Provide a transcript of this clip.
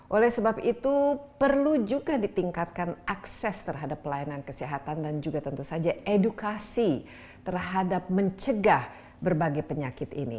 oleh sebab itu perlu juga ditingkatkan akses terhadap pelayanan kesehatan dan juga tentu saja edukasi terhadap mencegah berbagai penyakit ini